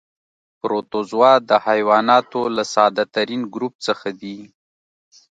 پروتوزوا د حیواناتو له ساده ترین ګروپ څخه دي.